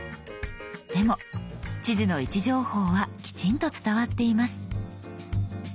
でも地図の位置情報はきちんと伝わっています。